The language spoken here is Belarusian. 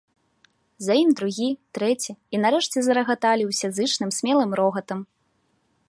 За ім другі, трэці, і нарэшце зарагаталі ўсе зычным смелым рогатам.